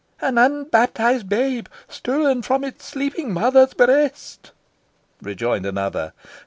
"An unbaptised babe, stolen from its sleeping mother's breast," rejoined another.